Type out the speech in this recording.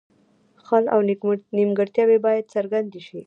خل او نیمګړتیاوې باید څرګندې شي.